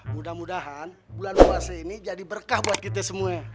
mudah mudahan bulan puasa ini jadi berkah buat kita semua